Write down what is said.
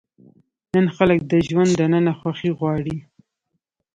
نن خلک د ژوند دننه خوښي غواړي.